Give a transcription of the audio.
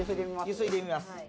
ゆすいでみますああ